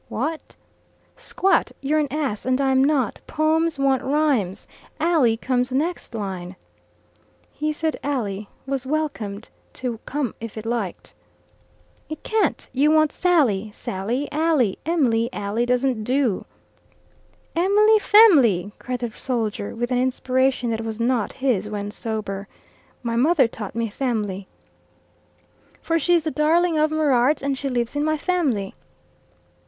"Wot?" "Squat. You're an ass, and I'm not. Poems want rhymes. 'Alley' comes next line." He said "alley" was welcome to come if it liked. "It can't. You want Sally. Sally alley. Em'ly alley doesn't do." "Emily femily!" cried the soldier, with an inspiration that was not his when sober. "My mother taught me femily. "'For she's the darling of merart, And she lives in my femily.